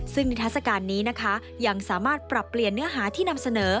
ซึ่งนิทัศกาลนี้นะคะยังสามารถปรับเปลี่ยนเนื้อหาที่นำเสนอ